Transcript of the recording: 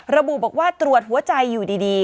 ระบุบอกว่าตรวจหัวใจอยู่ดี